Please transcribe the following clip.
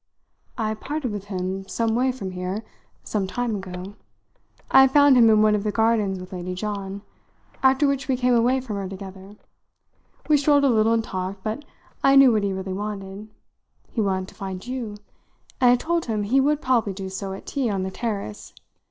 "I parted with him, some way from here, some time ago. I had found him in one of the gardens with Lady John; after which we came away from her together. We strolled a little and talked, but I knew what he really wanted. He wanted to find you, and I told him he would probably do so at tea on the terrace.